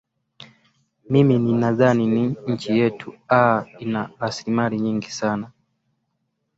mimi nidhani ni nchi yetu aa ina raslimali nyingi sana